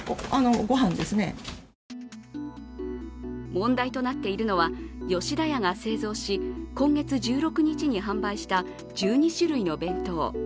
問題となっているのは吉田屋が製造し今月１６日に販売した１２種類の弁当。